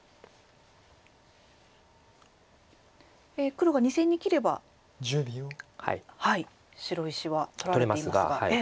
黒が２線に切れば白石は取られていますが。